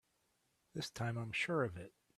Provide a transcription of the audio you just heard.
This time I'm sure of it!